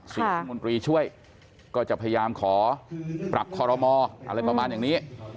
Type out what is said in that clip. รัฐมนตรีช่วยก็จะพยายามขอปรับคอรมออะไรประมาณอย่างนี้